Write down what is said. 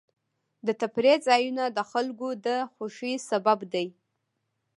د تفریح ځایونه د خلکو د خوښۍ سبب دي.